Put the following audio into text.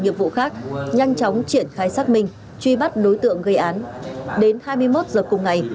nghiệp vụ khác nhanh chóng triển khai xác minh truy bắt đối tượng gây án đến hai mươi một giờ cùng ngày